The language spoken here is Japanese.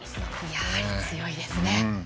やはり、強いですね。